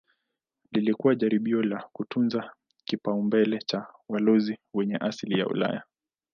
Lilikuwa jaribio la kutunza kipaumbele cha walowezi wenye asili ya Ulaya.